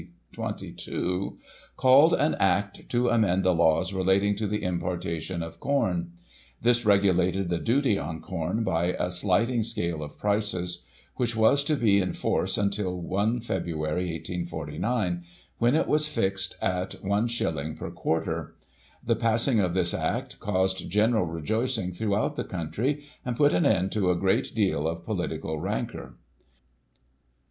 22), called "An Act to amend the Laws relating to the Importation of Com." This regulated the duty on com by a sliding scale of prices, which was to be in force until Digiti ized by Google 1846] SGOTT MONUMENT. 297 I Feb., 1849, when it was fixed at is. per quarter. The pass ing of this Act caused general rejoicing throught the country, and put an end to a great deal of political rancour.